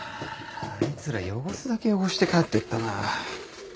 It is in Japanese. あいつら汚すだけ汚して帰ってったな。